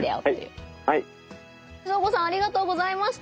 そーごさんありがとうございました！